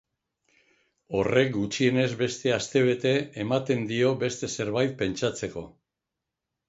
Horrek gutxienez beste astebete ematen dio beste zerbait pentsatzeko.